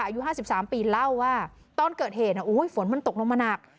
อายุห้าสิบสามปีเล่าว่าตอนเกิดเหตุอ่ะอุ้ยฝนมันตกลงมาหนัก